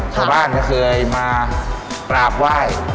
ชาวบ้านก็เคยมากราบไหว้